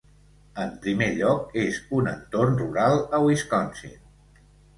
En primer lloc és un entorn rural a Wisconsin.